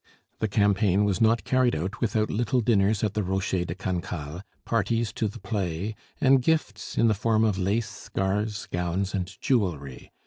The campaign was not carried out without little dinners at the Rocher de Cancale, parties to the play, and gifts in the form of lace, scarves, gowns, and jewelry.